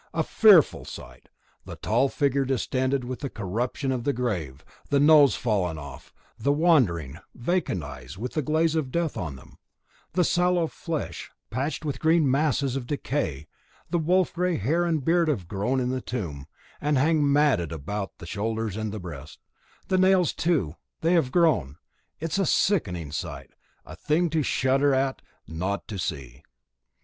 A fearful sight; the tall figure distended with the corruption of the grave, the nose fallen off, the wandering, vacant eyes, with the glaze of death on them, the sallow flesh patched with green masses of decay; the wolf grey hair and beard have grown in the tomb, and hang matted about the shoulders and breast; the nails, too, they have grown. It is a sickening sight a thing to shudder at, not to see.